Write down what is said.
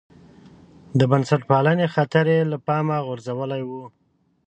د بنسټپالنې خطر یې له پامه غورځولی و.